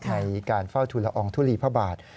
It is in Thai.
ในการเฝ้าทุลอองทุลีพระบาท